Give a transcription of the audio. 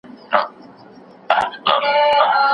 مثبت چلند د فشار پر مهال تاسو غښتلي کوي.